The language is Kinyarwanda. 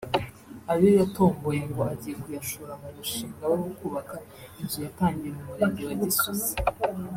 Ayo yatomboye ngo agiye kuyashora mu mushinga we wo kubaka inzu yatangiye mu murenge wa Gisozi